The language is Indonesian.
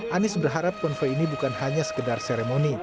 anies berharap konvoi ini bukan hanya sekedar seremoni